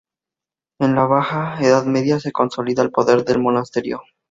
En la baja Edad Media se consolida el poder del monasterio.